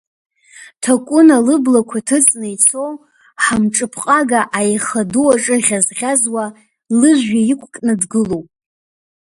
Ҭакәына лыблақәа ҭыҵны ицо, ҳамҿыԥҟага аиха ду аҿы ӷьазӷьазуа, лыжәҩа иқәкны дгылоуп…